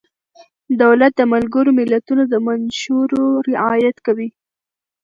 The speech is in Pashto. دولت د ملګرو ملتونو د منشورو رعایت کوي.